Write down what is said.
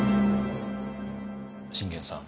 信玄さん